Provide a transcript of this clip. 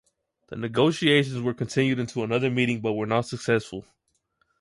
The negotiations were continued into another meeting, but were not successful.